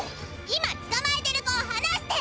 今つかまえてる子をはなして！